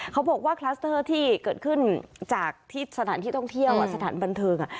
เขาบอกว่าคลัสเตอร์ที่เกิดขึ้นจากที่สถานที่ท่องเที่ยวสถานบันเทิง